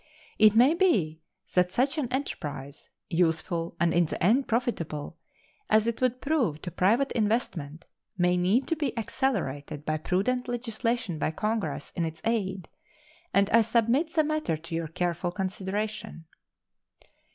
It may be that such an enterprise, useful, and in the end profitable, as it would prove to private investment, may need to be accelerated by prudent legislation by Congress in its aid, and I submit the matter to your careful consideration.